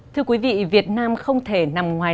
thưa quý vị việt nam không thể nằm ngoài